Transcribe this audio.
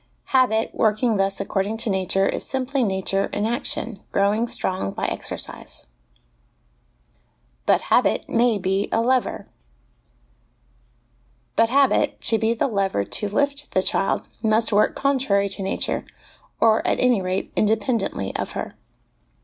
Habit, working thus according to nature, is simply nature in action, growing strong by exercise. But Habit may be a Lever. But habit, to be the lever to lift the child, must work contrary to nature, or at any rate, independently of her.